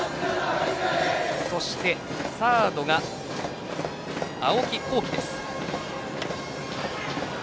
そして、サードが青木宏樹です。